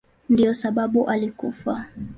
Ndiyo sababu alikufa.